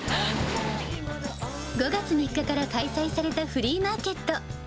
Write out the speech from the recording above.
５月３日から開催されたフリーマーケット。